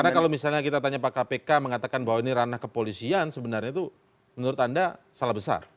karena kalau misalnya kita tanya pak kpk mengatakan bahwa ini ranah kepolisian sebenarnya itu menurut anda salah besar